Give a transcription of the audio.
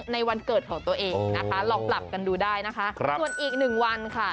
ในวันเกิดของตัวเองนะคะลองปรับกันดูได้นะคะ